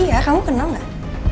iya kamu kenal gak